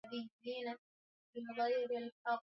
itatugharimu pengine karibu miaka kumi ijayo